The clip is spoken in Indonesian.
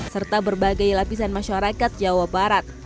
serta berbagai lapisan masyarakat jawa barat